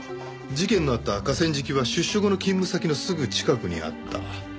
事件のあった河川敷は出所後の勤務先のすぐ近くにあった。